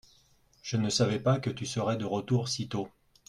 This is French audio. je ne savais pas que tu serais de retour si tôt.